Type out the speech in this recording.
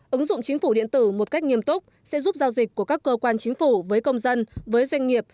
ứng dụng chính phủ điện tử một cách nghiêm túc sẽ giúp giao dịch của các cơ quan chính phủ với công dân với doanh nghiệp